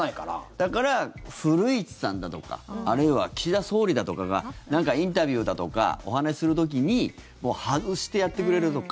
だから、古市さんだとかあるいは岸田総理だとかが何かインタビューだとかお話する時に外してやってくれるとか。